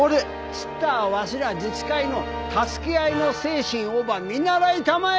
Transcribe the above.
ちっとはわしら自治会の助け合いの精神をば見習いたまえ！